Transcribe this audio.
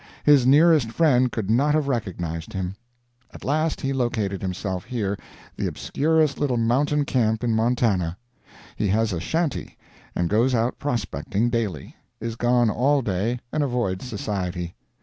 His nearest friend could not have recognized him. At last he located himself here, the obscurest little mountain camp in Montana; he has a shanty, and goes out prospecting daily; is gone all day, and avoids society.